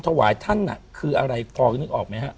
ถวายท่านคืออะไรพอคิดนึกออกมั้ยฮะ